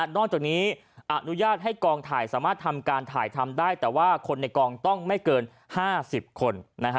นอกจากนี้อนุญาตให้กองถ่ายสามารถทำการถ่ายทำได้แต่ว่าคนในกองต้องไม่เกิน๕๐คน